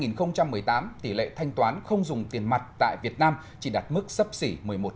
năm hai nghìn một mươi tám tỷ lệ thanh toán không dùng tiền mặt tại việt nam chỉ đạt mức sấp xỉ một mươi một